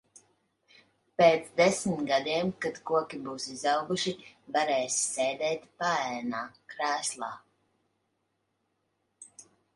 Pēc desmit gadiem kad koki būs izauguši, varēsi sēdēt paēnā, krēslā.